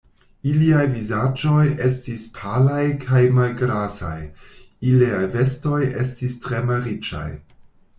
Iliaj vizaĝoj estis palaj kaj malgrasaj, iliaj vestoj estis tre malriĉaj.